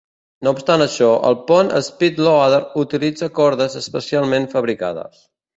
No obstant això, el pont SpeedLoader utilitza cordes especialment fabricades.